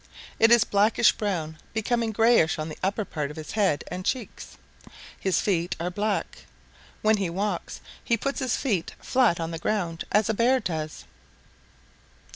It is blackish brown, becoming grayish on the upper part of his head and cheeks. His feet are black. When he walks he puts his feet flat on the ground as a Bear does.